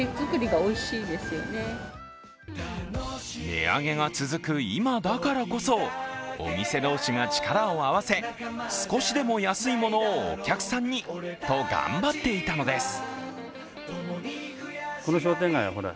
値上げが続く今だからこそお店同士が力を合わせ少しでも安いものをお客さんにと頑張っていたのです。